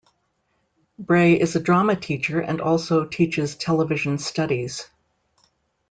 Bray is a drama teacher and also teaches television studies.